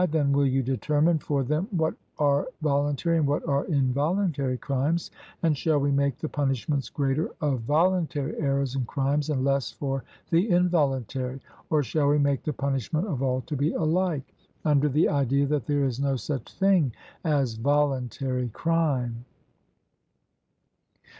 Then will you determine for them what are voluntary and what are involuntary crimes, and shall we make the punishments greater of voluntary errors and crimes and less for the involuntary? or shall we make the punishment of all to be alike, under the idea that there is no such thing as voluntary crime?